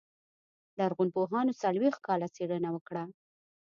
لرغونپوهانو څلوېښت کاله څېړنه وکړه.